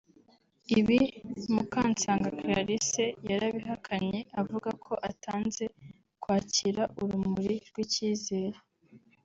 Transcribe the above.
Ibi Mukansanga Clarisse yarabihakanye avuga ko atanze kwakira urumuri rw’ ikizere